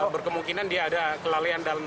berkemungkinan dia ada kelalaian dalam